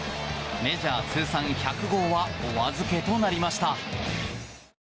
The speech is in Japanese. メジャー通算１００号はお預けとなりました。